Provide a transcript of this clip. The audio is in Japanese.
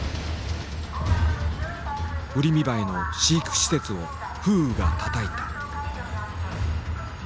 ウリミバエの飼育施設を風雨がたたいた。